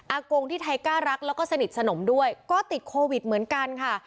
กงที่ไทยกล้ารักแล้วก็สนิทสนมด้วยก็ติดโควิดเหมือนกันค่ะ